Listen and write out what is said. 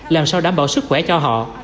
làm sao đảm bảo sức khỏe cho họ